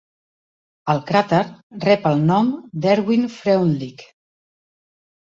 El cràter rep el nom d'Erwin Freundlich.